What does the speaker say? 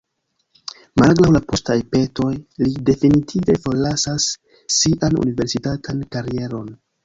Malgraŭ la postaj petoj, li definitive forlasas sian universitatan karieron.